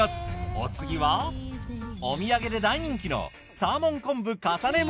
お次はお土産で大人気のサーモン昆布重ね巻。